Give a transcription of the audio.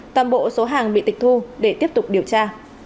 toàn bộ số hàng bị tịch thu để tiếp tục điều tra